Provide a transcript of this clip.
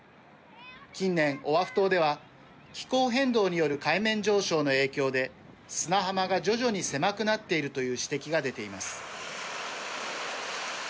近年、オアフ島では気候変動による海面上昇の影響で砂浜が徐々に狭くなっているという指摘が出ています。